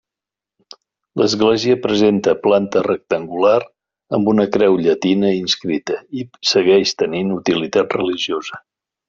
L'església presenta planta rectangular, amb una creu llatina inscrita, i segueix tenint utilitat religiosa.